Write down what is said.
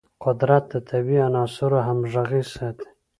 قدرت د طبیعي عناصرو همغږي ساتي.